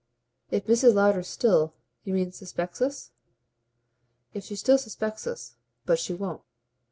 "If Mrs. Lowder still, you mean, suspects us?" "If she still suspects us. But she won't."